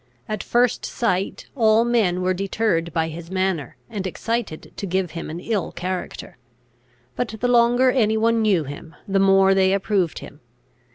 At first sight all men were deterred by his manner, and excited to give him an ill character. But the longer any one knew him, the more they approved him.